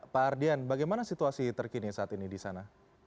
pak ardian bagaimana situasi terkini saat ini di sana